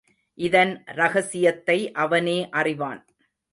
இதன் ரகசியத்தை அவனே அறிவான்.